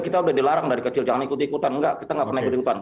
kita sudah dilarang dari kecil jangan ikut ikutan kita tidak pernah ikut ikutan